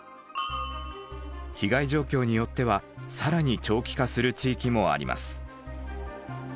被害状況によっては更に長期化する地域もあります。